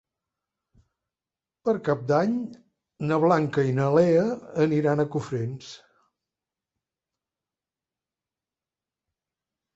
Per Cap d'Any na Blanca i na Lea aniran a Cofrents.